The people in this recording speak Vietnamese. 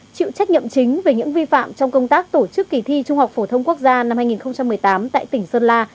chịu trách nhiệm chính về những vi phạm trong công tác tổ chức kỳ thi trung học phổ thông quốc gia năm hai nghìn một mươi tám tại tỉnh sơn la